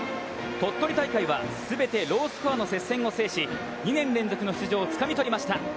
鳥取大会は全てロースコアの接戦を制し、２年連続の出場をつかみとりました。